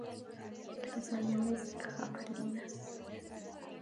Los aviones jabalinas.